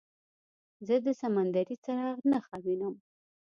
زه د سمندري څراغ نښه وینم.